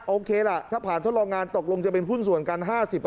โอเคล่ะถ้าผ่านทดลองงานตกลงจะเป็นหุ้นส่วนกัน๕๐